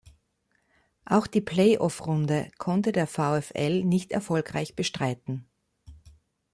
Auch die Play-off-Runde konnte der VfL nicht erfolgreich bestreiten.